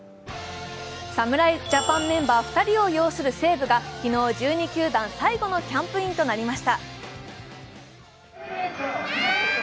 侍ジャパンメンバー２人を擁する西武が昨日、１２球団最後のキャンプインとなりました。